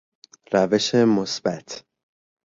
روش مثبت